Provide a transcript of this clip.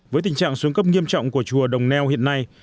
với tình trạng xuống cấp nghiêm trọng của chùa đồng neo hiện nay